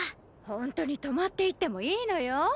本当に泊まっていってもいいのよ。